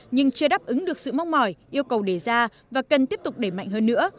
nhưng chưa đáp ứng được sự mong mỏi yêu cầu đề ra và cần tiếp tục đẩy mạnh hơn nữa